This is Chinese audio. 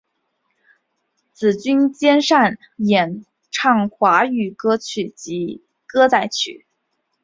紫君兼擅演唱华语歌曲及歌仔戏。